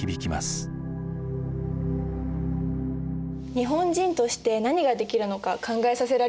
日本人として何ができるのか考えさせられるよね。